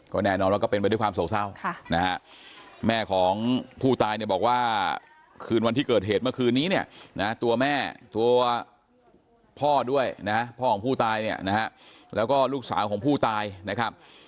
ก็แน่นอนว่าก็เป็นไปด้วยความโศกเศร้านะฮะแม่ของผู้ตายเนี่ยบอกว่าคืนวันที่เกิดเหตุเมื่อคืนนี้เนี่ยนะตัวแม่ตัวพ่อด้วยนะพ่อของผู้ตายเนี่ยนะฮะแล้วก็ลูกสาวของผู้ตายนะครับ